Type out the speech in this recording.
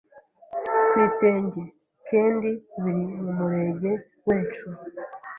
kwitenge kendi biri mu murege wecu